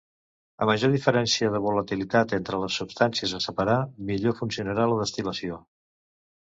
A major diferència de volatilitat entre les substàncies a separar millor funcionarà la destil·lació.